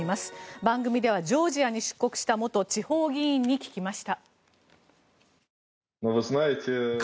番組ではジョージアに出国した元地方議員に聞きました。